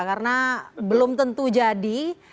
karena belum tentu jadi